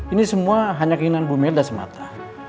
ini semua hanya keinginan bu mega semata